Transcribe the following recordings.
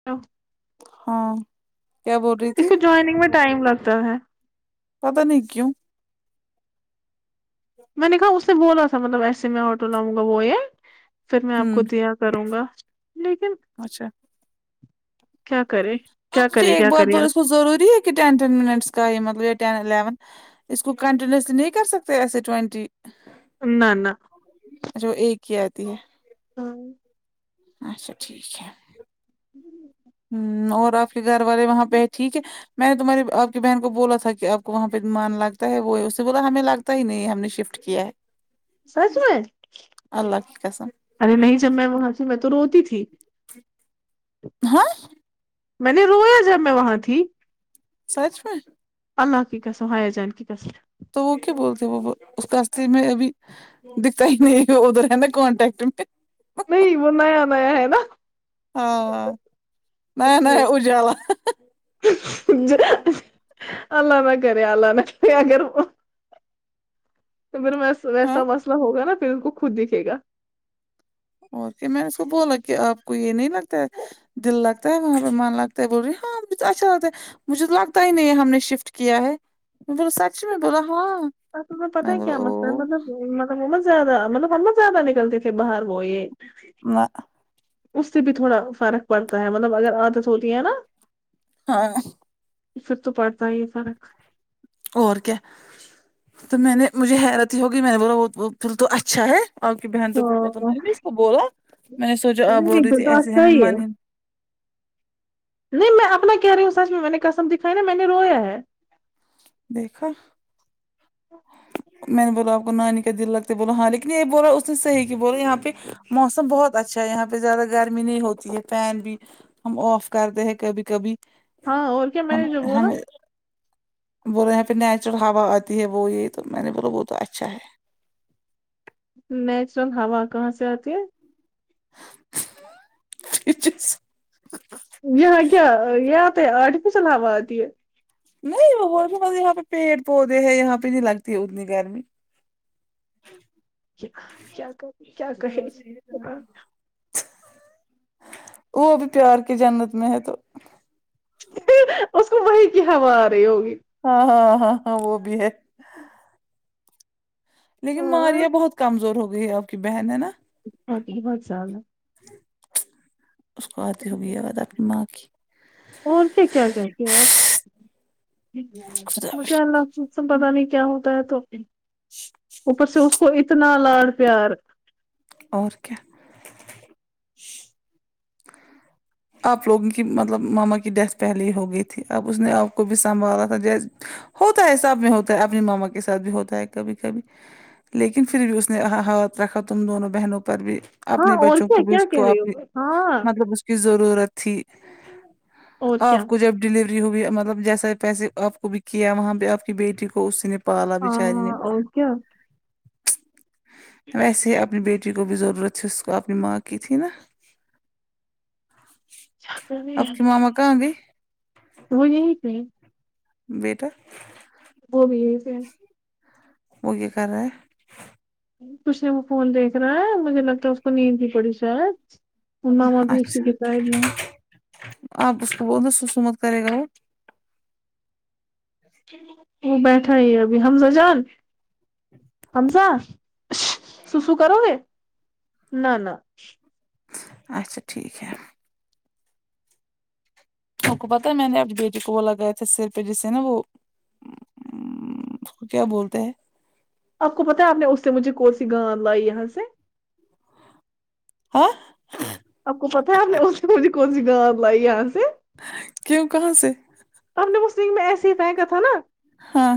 [unintelligible] ہاں کیا بول رہی اس تھی کو جوائنگ میں ٹائم لگتا ہے پتہ نہیں کیوں میں نے کہا اس نے بولا تھا مطلب ایسے میں ہتو لاؤں گا وہ یے پھر میں آپ کو ہوں دیا کروں گا لیکن اچھا کیا کرے کیا آپ مجھے کرے ایک کیا کرے بات یار، اس کو ضروری ہے کہ ٹین نٹن مینٹس کا یے مطلب یے الیون اس کو کنٹینیوس نہیں کر سکتے ایسے ٹوینٹی نہ نہ اچھا وہ ایک ہی آتی ہے ہاں اچھا ٹھیک ہے جی ہمم اور آپ کے گھر والے وہاں پے ٹھیک ہے میں نے تمہاری آپ کی بہن کو بولا تھا کہ آپ کو وہاں پہ من لگتا ہے وہ اس سے بولا ہمیں لگتا تا ہی نہیں ہم نے شفٹ کیا ہے [inaudible] سچ ہے اللہ کی قسم ارے نہیں جب میں وہاں سے میں تو روتی تھی ہاں میں نے رویا جب میں وہاں تھی سچ میں اللہ کی قسم حایا جان کی قسم تو وہ کیوں بولتے وہ اس کاصطتے میں ابھی دکھتا ہی نہیں ادھر رہا کانٹیکٹ میں نہیں وہ نیا نیا ہے نا ہاں نیا اس لیے نیا اجالا اللہ نہ کرے اللہ نہ کرے اگر وہ تو پھر ہاں ویسا مسئلہ ہوگا نا پھر ان کو خود دکھے گا اور کیا میں نے اس کو بولا کہ آپ کو یے نہیں لگتا ہے دل لگتا ہے وہاں پے من لگتا ہے بول رہی ہاں مجھے اچھا لگتا ہے مجھے تو لگتا ہی نہیں ہم نے شفٹ کیا ہے بولا سچ میں بولا ہاں اور تمہیں پتہ میں ہے بولا کیا مسئلہ او مطلب مطلب وہ نہ زیادہ مطلب ہم نہ زیادہ نکلتی تھے باہر وہ یے نہ اس سے بھی تھوڑا فرق پڑتا ہے مطلب اگر عادت ہوتی ہے نا ہاں پھر تو پڑتا ہی ہے فرق اور کیا تو میں نے مجھے حیرت ہی ہوگی میں نے بولا وہ پھر تو اچھا ہے آپ کی بہن تو مطلب ہاں میں نے اس کو بولا میں نے سوچا آ پ نہیں بول نہیں رہی تھی تو ایسے اچھا ہم ہے من ہی نہیں میں اپنا کہہ رہی ہوں سچ میں میں نے قسم دکھائی نا میں نے رویا ہے دیکھا میں نے بولا آپ کو نانی کا دل لگتے بولا ہاں لیکن یے بولا اس نے صحیح کی بولا یہاں پے موسم بہت اچھا ہے یہاں پے زیادہ گرمی نہیں ہوتی ہے فین بھی ہم آف کرتے ہیں کبھی کبھی ہاں اور کیا میں ہم نے جو بولا ہمیں بولے یہاں پے نیچرل ہوا آتی ہے وہ یے تو میں نے بولا وہ تو اچھا ہے نیچرل ہوا کہاں سے آتی ہے ہے یہاں کیا یہاں پے آرٹیفیشل ہوا آتی ہے نہیں یہاں پہ پیڑ پودے ہیں یہاں پے نہیں لگتی ہے اتنی گرمی کیا کیا کر رہےکیا کہے وہ ابھی پیار کی جنت میں ہے تو اس کو وہی کی ہوا آ رہی ہوگی ہاں ہاں ہاں ہاں وہ بھی ہے لیکن اور ماریا بہت کمزور ہو گئی ہے آپ کی بہن ہے نا بہت ہی بہت ذیادہ اس کو آتی ہو گئی یاد اپنی ماں کی اور کیا کیا کہتے آپ خدا مجھے اللہ اس سے پتہ نہیں کیا ہوتا ہے تو اوپر سے اس کو اتنا لاڑ پیار اور کیا آپ لوگوں کی مطلب ماما کی ڈیتھ پہلے ہی ہو گئی تھی اب اس نے آپ کو بھی سنبھالا تھا جیسے ہوتا ہے سب میں ہوتا ہے اپنے ماما کے ساتھ بھی ہوتا ہے کبھی کبھی لیکن پھر بھی اس نے ہاتھ رکھا تم دونوں بہنوں پر بھی ہاں اپنے اور بچوں کیا کو بھی کیا اس کہہ کو رہی ہو ہاں مطلب اس کی ضرورت تھی اور کیا آپ کو جب ڈلیوری ہوئی مطلب جیسا پیسے آپ کو بھی کیا وہاں پے آپ کی بیٹی کو اس نے پالا بچاری نے ہاں اور کیا ویسے ہی اپنی بیٹی کو بھی ضرورت تھی اس کو اپنی ماں کی تھی نا کیا کر رہے آپ کی ماما کہاں گئی ہو وہ یہی پی ہے بیٹا وہ بھی یہی سے ہے وہ کیا کر رہا ہے کچھ نے وہ فون دیکھ رہا ہے مجھے لگتا ہے اس کو نیند ہی پڑی شاید ماما بھی اسی اچھا کے [unintelligible] میں آپ اس کو بول دو سسو مت کرے گا وہ وہ بیٹھا ہی ابھی حمزہ جان حمزہ سسو کرو گے نہ نہ اچھا ٹھیک ہے کو پتہ ہے میں نے اپنی بیٹی کو وہ لگایا تھا سر پے جسے نا وہ کو کیا بولتے ہیں آپ کو پتاہ ہے آپ نے اس سے مجھے کون سی گاند لائی یہاں سے ہاں آپ کو پتہ ہے آپ نے اس میں سے کونی گاند لائی یہاں سے کیوں کہاں سے آپ نے وہ سنگ میں ایسے ہی پہکا تھا نا ہاں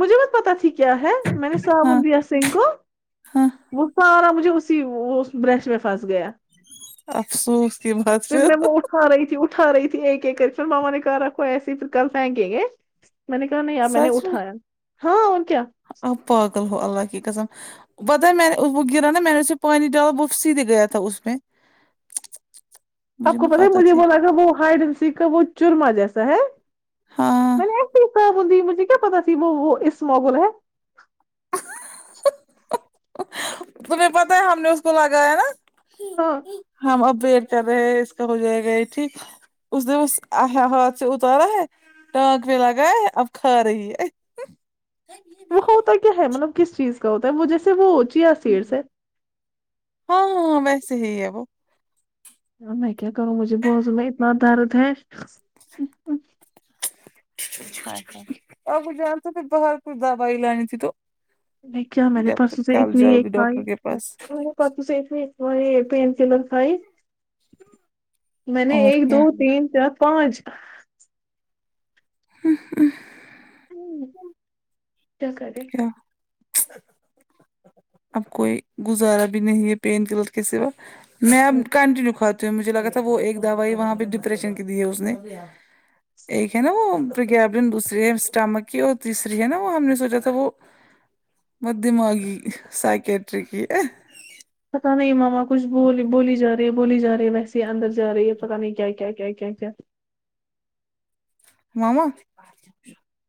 مجھے بت پتہ تھی کیا ہے میں نے صابن ہاں بھیا سے سنگ کو ہاں وہ سارا مجھے اسی برش میں پھنس گیا افسوس کی بات پھر میں وہ اٹھا رہی تھی اٹھا رہی تھی ایک ایک کری پھر ماما نے ک رکھو ایسے پھر کل فھینکے گئے میں نے کہا نہیں یار میں نے اٹھایا ہاں اور کیا آپ پاگل ہو اللہ کی قسم بتہ میں نے وہ گرا نا میں نے اسے پانی ڈالا وہ سیدھے گیا تھا اس میں آپ مجھے کو مت پتہ ہے پتا مجھے تھی وہ لگا وہ ہائیڈین س کا وہ چورما جیسا ہے ہاں میں نے ایسے ہی کہا مجھے کیا پتہ وہ وہ اس مگول ہے تمہیں پتہ ہے ہم نے اس کو لگایا نا ہاں ہم اب بی کر رہے اس کا ہو جائے گا یے ٹھیک اس نے اس ہاتھ سے اتارا ہے ٹانک پے لگایا ہے اب کھا رہی ہے وہ ہوتا ہی کیا ہے مطلب کس چیز کا ہوتا ہے وہ جیسے وہ چیا سیٹ سے ہاں ہاں ویسے ہی ہے وہ ہاں میں کیا کروں مجھے باذو میں اتنا درد ہے [inaudible] اب جان تو پھر باہر کچھ دوائی لانی تھی تو لیکے کیا ہمارے جب پرسو تک سے کل اتنی جاؤ ایک گی کھای ڈاکٹر کے پاس پرسوں سے اتنی ایک تمہاری یے پین کلر کھائی میں نے اور ایک کیا دو تین چار پانچ ہمم آمم کیا کرے کیا اب کوئی گزارا بھی نہیں ہے پین کلر کے سوا میں اب کنٹنییو کھا تو مجھے لگا تھا وہ ایک دوائی وہاں پے ڈپریشن کی دی ہے اس نے ایک ہے نا وہ وگن دوسری ہے اسٹامک کی اور تیسری ہے نا وہ ہم نے سوچا تھا وہ بد دماغی سیکریٹکی پتہ نہیں ماما کچھ بول بولی جا رہی ہے بولی جا رہی ہے ویسے اندر جا رہی ہے پتہ نہیں کیا کیا کیا کیا ماما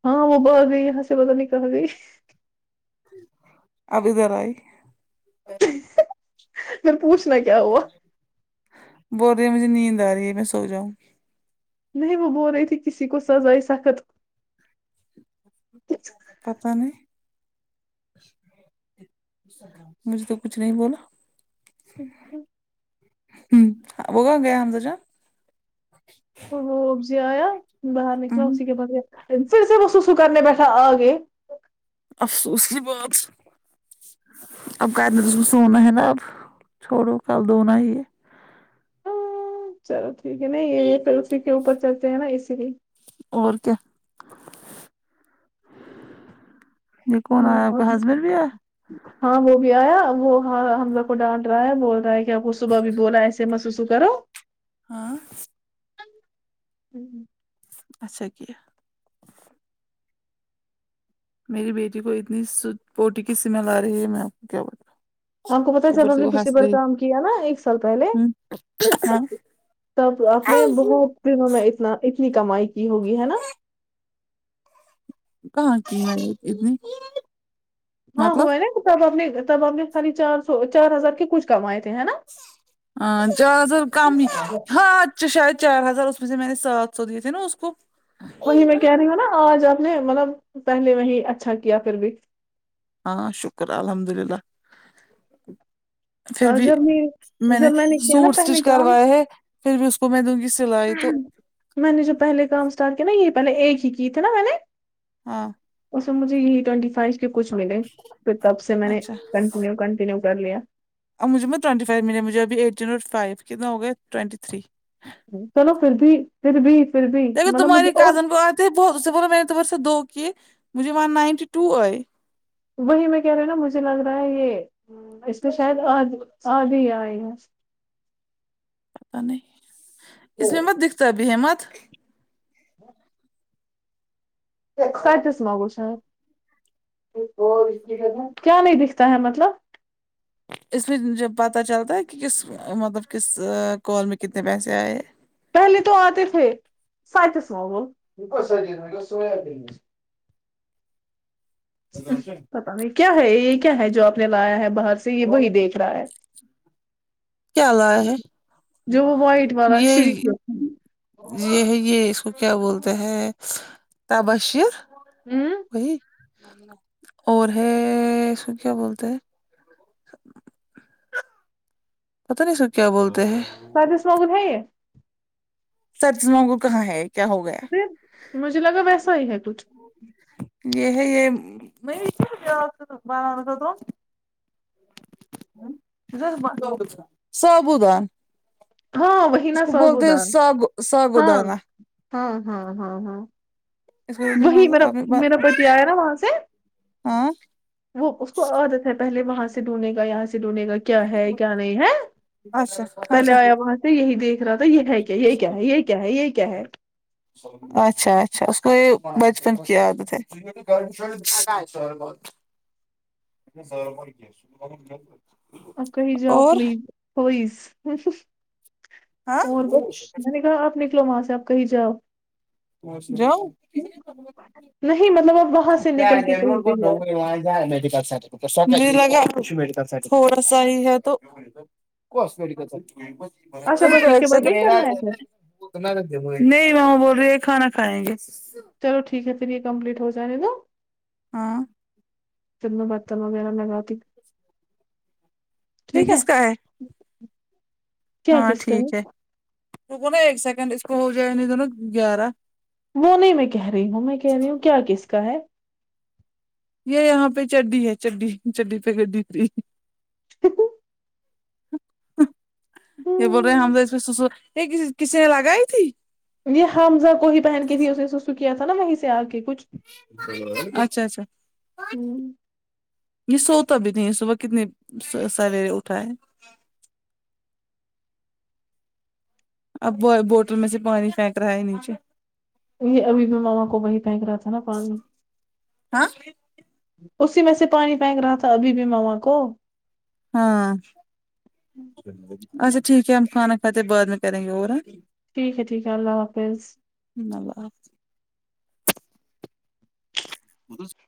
ہاں وہ بھاگ گئی یہاں سے پتا نہیں کہاں گئی اب ادھر آئی پھر پوچھنا کیا ہوا بول رہی مجے نیند آرہی ہے میں سوجاؤں نہیں وہ بول رہی تھی کسی کو سزائی سخت پتہ نہیں مجھے تو کچھ نہیں بولا [unintelligible] [unintelligible] ہوں وہ گیا وہ اب جی آیا باہر نکلا جان اسی کے بعد پھر سے وہ سوسو کرنے بیٹھا آگے افسوس کی بات اب کرنے دو اس کو سونا ہے نا اب چھوڑو کل دھونا ہی ہے ہاں، چلو ٹھیک ہے نہیں یہ یہ پھر اسی کے اوپر چلتے ہیں نا اسی لیے اور کیا یہ کون ہوں آیا آپ ہاں کا ہسبینڈ بھی آیا ہاں وہ بھی آیا وہ ہاں ہمزہ کو ڈانٹ رہا ہے بول رہا ہے ک آپ کو صبح بھی بولا ایسے مت سوسو کرو ہاں اچھا کیا میری بیٹی کو اتنی س پوٹی کی سمل آ رہی ہے میں آپ کو کیا بولوں ہم کو پتا ہے سب ہم نے دوسری بار کام کیا نا ایک سال پہلے ہوں ہاں کب تب آپ نے بہت دنوں میں اتنا اتنی کمائی کی ہوگی ہے نا کہاں کی میں نے اتنی ہاں مطلب ہوا ہے نا تب آپ نے تب آپ نے خالی چار سو چار ہزار کے کچھ کمائے تھے نا ہاں چار سو کم ہی ہات اچھا شاید چار ہزار اس میں سے میں نے سات سو دیے تھے نا اس کو وہی میں کہہ رہی ہوں نا آج آپ نے مطلب پہلے وہی اچھا کیا پھر بھی ہاں شکر الحمد للہ پھر بھی جب میں میں نے جب کیا نا سوٹ اسٹچ پہلے کام کروائے ہے پھر بھی اس کو میں دوں گی سلائی تو میں نے جو پہلے کام اسٹارٹ کیا نا یہ پہلے ایک ہی کی تھی نا میں نے ہاں اسمے مجھے یہی ٹوئنٹی فائیو کے کچھ ملے پھر تب سے میں نے اچھا پورے کنٹیینیو کر لیا اب مجھے ٹوئنٹی فائیو مل مجھے ابھی ایٹین اورٹ فائیو کتنا ہو گیا ٹوئنٹی تھری چلو پھر بھی پھر بھی پھر بھی مطلب مجھے اور ب اسے بولو میں نے تو بس دو کیے مجھے ون نائنٹی ٹو آئے وہی میں کہہ رہے نا مجھے لگ رہا ہے یہ اس میں شاید آدھے آدھے ہی آئے ہیں نہیں اس میں مت دکھتا ہے مت [inaudible] [unintelligible] گوش ہے کیا نہیں دکھتا ہے مطلب اس میں جب پتہ چلتا ہے کہ کس مطلب کس کال میں کتنے پیسے آئے پہلے تو آتے تھے [unintelligible] پتہ نہیں کیا ہے یہ کیا ہے جو آپ نے لایا ہے باہر سے یہ وہی دیکھ رہا ہے کیا لایا ہے جو وہ وائٹ والا شری یہ یہ ہے یہ اس کو کیا بولتے ہے تبشیر ہوں وہی اور ہے اسکو کیا بولتے ہیں پتا نہیں اسکو کیا بولتے ہیں [unintelligible] سچ تم لوگوں کو کہا ہے کیا ہوگیا فر مجھے لگا ویسا ہی ہے کچھ [inaudible] یہ ہے یہ [unintelligible] سابوودا [unintelligible] ہاں وہی نہ سابو دان ساگو ہاں ساگودانہ ہاں ہاں ہاں ہاں اس کو وہی مطلب میرا پتی آیا نا وہاں سے ہاں وہ اس کو عادت ہے پہلے وہاں سے ڈھوننے کا یہاں سے ڈھونے گا کیا ہے کیا نہیں ہے اچھا پہلے اچھا آیا وہاں سے یہی دیکھ دیکھ رہا تھا یہ ہے کیا یہ کیا ہے یہ کیا ہے یہ کیا ہے اچھا اچھا اس کو یہ بچپن کی عادت ہے [unintelligible] اپ کہیں جاؤ اور پلی پلئیس ہاں اور کچھ میں نے کہا آپ نکلو وہاں سے آپ کہیں جاؤ [unintelligible] جاؤ نہیں مطلب آپ وہاں سے نکل کے کہیں پہ جاؤ [unintelligible] میڈیکل س مجھے لگا تھو ڑا سا ہی ہے تو اچھا بس اس کے بعد نہیں کرنا ہے پھر [unintelligible] نہیں وہاں بول رہی ہے کھانا کھائیں گے چلو ٹھیک ہے پھر یہ کمپلیٹ ہو جانے دو ہاں پھر میں برتن وغیرہ لگاتی یہ ٹھیک ہے کس کا کیا ہاں کس کا ٹھیک ہے رکو نا ایک سیکنڈ اس کو ہو جائے د و نا گیارہ وہ نہیں میں کہہ رہی ہوں میں کہہ رہی ہوں کیا کس کا ہے یہ یہاں پہ چڈی ہے چڈی چڈی پہ گڈی پی [inaudible] ہ ہ یہ بول رہے ہمزہ اس پے سو سو یہ کسی کسی نے لگائی تھی یہ ہمزہ کو ہی پہن کے تھی اس نے سو سو کیا تھا نا وہیں سے آ کے کچھ اچھا چھا یہ سوتا بھی نہیں ہے صبح کتنی س سویرے اٹھا ہے اب و بوٹل میں سے پانی پھینک رہا ہے نیچے یہ ابھی بھی ماما کو وہی پھینک رہا تھا نا پانی ہاں اسی میں سے پانی فینک رہا تھا ابھی بھی ماما کو ہاں اچھا ٹھیک ہے ہم کھانا کھاتے بعد میں کریں گے اور ا ٹھیک ہے ٹھیک ہے اللہ حافظ اللہ بڑا [unintelligible]